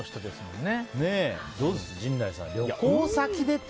どうですか、陣内さん。